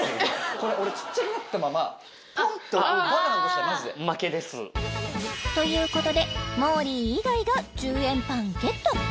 これ俺ちっちゃくなったままポンっとバカなことしたマジで負けですということでもーりー以外が１０円パンゲット！